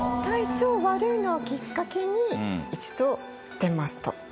体調悪いのをきっかけに一度出ますと。